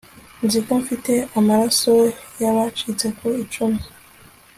nzi ko mfite amaraso y'abacitse ku icumu